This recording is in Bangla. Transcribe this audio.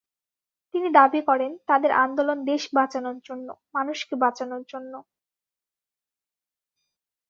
তিনি দাবি করেন, তাঁদের আন্দোলন দেশ বাঁচানোর জন্য, মানুষকে বাঁচানোর জন্য।